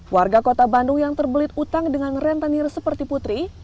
warga kota bandung yang terbelit utang dengan rentenir seperti putri